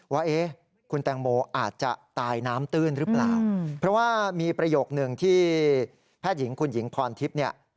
ว่าคุณแตงโมอาจจะตายน้ำตื้นหรือเปล่าเพราะว่ามีประโยคนึงที่แพทย์หญิงคุณหญิงพรทิพย์เนี่ย